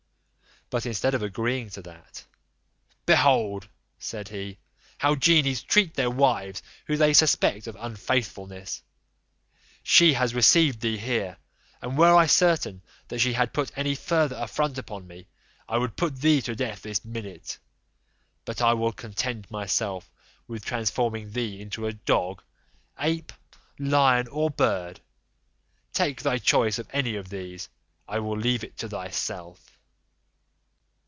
But instead of agreeing to that, "Behold," said he, "how genies treat their wives whom they suspect of unfaithfulness; she has received thee here, and were I certain that she had put any further affront upon me, I would put thee to death this minute: but I will content myself with transforming thee into a dog, ape, lion, or bird; take thy choice of any of these, I will leave it to thyself."